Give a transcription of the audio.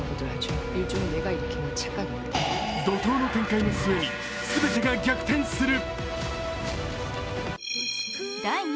怒とうの展開の末に全てが逆転する。